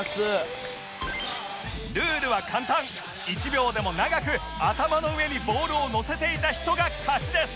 １秒でも長く頭の上にボールをのせていた人が勝ちです